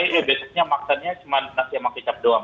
ya besoknya maksanya cuman nasi sama kicap doang